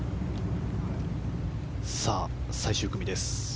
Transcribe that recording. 最終組です。